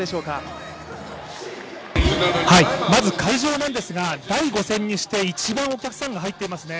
まず会場なんですが第５戦にして一番お客さんが入っていますね。